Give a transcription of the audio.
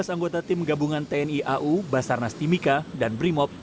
tiga belas anggota tim gabungan tni au basarnas timika dan brimob